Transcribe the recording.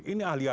ini ahli alikum